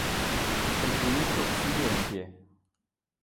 El proyecto sigue en pie.